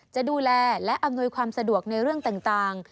จะดูแลและอำนวยความสะดวกในเรื่องต่าง